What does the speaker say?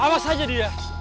awas aja dia